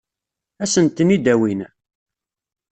Ad sen-ten-id-awin?